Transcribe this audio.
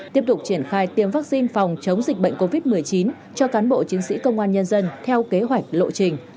tiếp tục triển khai tiêm vaccine phòng chống dịch bệnh covid một mươi chín cho cán bộ chiến sĩ công an nhân dân theo kế hoạch lộ trình